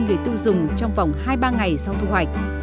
người tiêu dùng trong vòng hai ba ngày sau thu hoạch